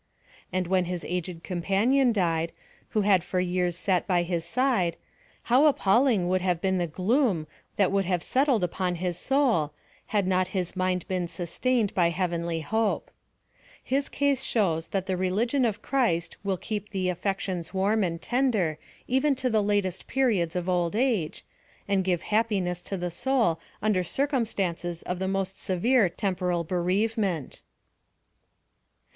And when his aged companion died, who had for years sat by his side, how appalling would have been the gloom that would have settled upon his PLAN OF SALVATION. 249 soul, had not his mind been sustained by heavenly hope. His case shows that the religion of Christ will keep the affections warm and tender even to the latest periods of old age, and give happiness to the soul under circumstances of the most severe temporal bereavement.